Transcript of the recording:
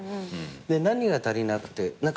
で何が足りなくて。